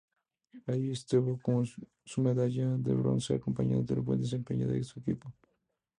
Allí obtuvo su medalla de bronce, acompañando el buen desempeño de su equipo.